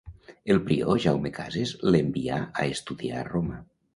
El prior Jaume Cases l'envià a estudiar a Roma.